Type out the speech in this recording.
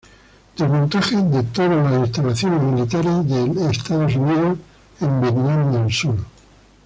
Desmontaje de todas las instalaciones militares de Estados Unidos en Vietnam del Sur.